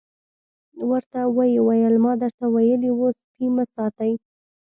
ورته ویې ویل ما درته ویلي وو سپي مه ساتئ.